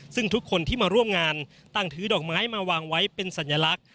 ซึ่งทุกคนที่มาร่วมงานต่างถือดอกไม้มาวางไว้เป็นสัญลักษณ